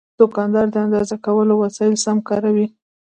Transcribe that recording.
دوکاندار د اندازه کولو وسایل سم کاروي.